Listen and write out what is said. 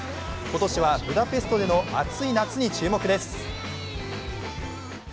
今年はブダペストでの熱い夏に注目です。